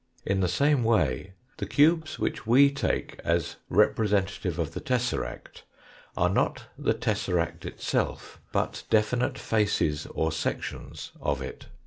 In the same way the cubes which we take as representative of the tesseract are not the tesseract itself, but definite faces or sections of it.